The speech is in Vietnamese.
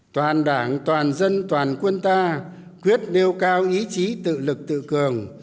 toàn đảng toàn dân toàn quân ta quyết nêu cao ý chí tự lực tự cường